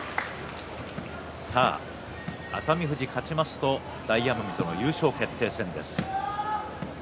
熱海富士が勝ちますと大奄美との優勝決定戦です。